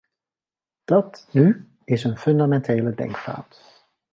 Dat nu is een fundamentele denkfout.